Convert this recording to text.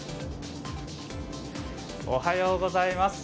おはようございます。